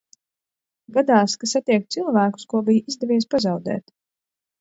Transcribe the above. Gadās, ka satieku cilvēkus, ko bija izdevies pazaudēt.